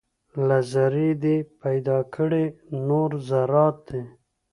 له ذرې دې پیدا کړي نور ذرات دي